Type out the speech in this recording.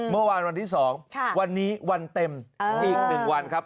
เมื่อวานวันที่๒วันนี้วันเต็มอีก๑วันครับ